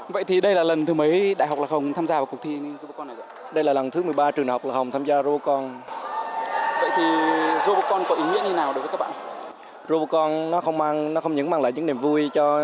vậy thì đây là lần thứ mấy đh lh tham gia cuộc thi robocon này